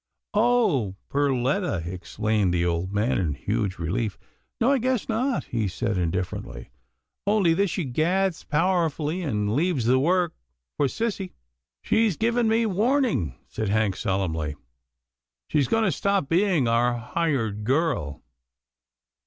" "Oh! Perletta," exclaimed the old man in huge relief, " No, I guess not," he said indifferently, " only that she gads powerfully, and leaves the work for sissy." " She's given me warning," said Hank solemnly, " she's going to stop being our hired girl."